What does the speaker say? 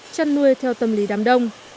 chăn nuôi theo tâm lý đám đông